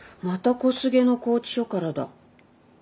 小菅の拘置所からだ。